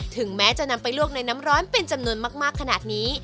ถึงแม้จะนำไปลวกในน้ำร้อนเป็นจำนวนมากขนาดนี้